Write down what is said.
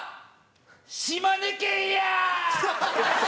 島根県やー！